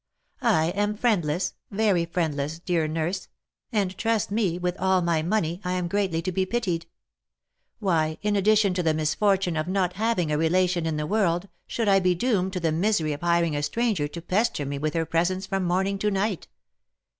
I am friendless, very friendless, dear nurse ; and trust me, with all my money, I am greatly to be pitied. Why, in addition to the misfortune of not having a relation in the world, should I be doomed to the misery of hiring a stranger to pester me with her presence from morning to night?